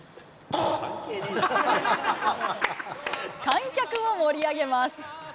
観客を盛り上げます。